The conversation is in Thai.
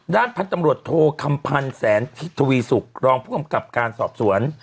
ด้านพันธุ์ตำรวจโทคำพันธ์แสนทวีสุกรองผู้กำกับการสอบสวน